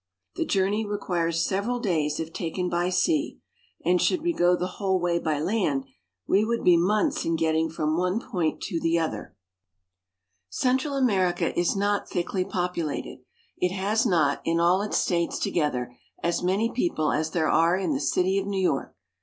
The journey requires several days if taken by sea ; and should we go the whole way by land, we would be months in getting from one point to the other. PEOPLE AND CLIMATE. 347 Central America is not thickly populated. It has not, in all its states together, as many people as there are in the city of New York.